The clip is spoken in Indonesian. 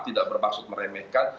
tidak berbaksud meremehkan